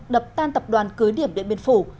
đập tan tập đoàn cưới điểm điện biên phủ